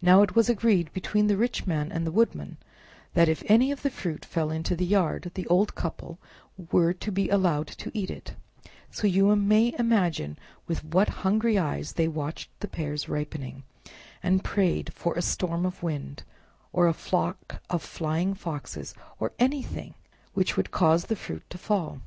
Now it was agreed between the rich man and the Woodman that if any of the fruit fell into the yard, the old couple were to be allowed to eat it; so you may imagine with what hungry eyes they watched the pears ripening, and prayed for a storm of wind, or a flock of flying foxes, or anything which would cause the fruit to fall.